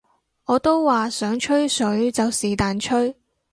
我都話想吹水就是但吹